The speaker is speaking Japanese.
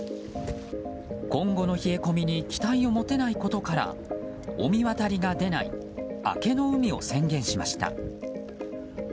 今後の冷え込みに期待を持てないことから御神渡りが出ない明けの海を宣言しました。